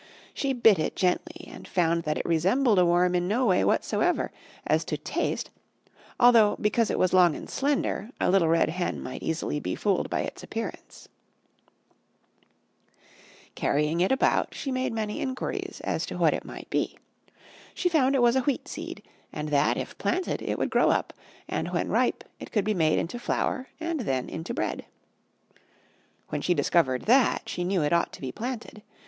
She bit it gently and found that it resembled a worm in no way whatsoever as to taste although because it was long and slender, a Little Red Hen might easily be fooled by its appearance. Carrying it about, she made many inquiries as to what it might be. She found it was a Wheat Seed and that, if planted, it would grow up and when ripe it could be made into flour and then into bread. When she discovered that, she knew it ought to be planted.